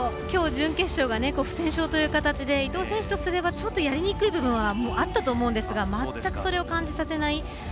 きょう、準決勝が不戦勝という形で伊藤選手とすればちょっとやりにくい部分はあったと思うんですが全くそれを感じさせない。